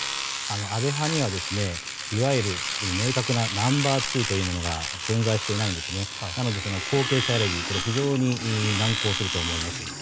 安倍派には、いわゆる明確なナンバー２というのが存在していないので後継者選びは非常に難航すると思います。